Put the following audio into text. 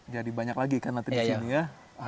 jadi banyak lagi ikan latih di sini ya